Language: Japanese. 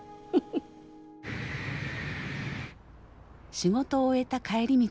仕事を終えた帰り道